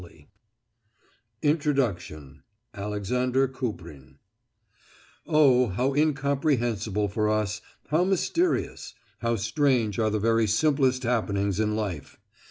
CAIN INTRODUCTION ALEXANDER KUPRIN "Oh how incomprehensible for us, how mysterious, how strange are the very simplest happenings in life.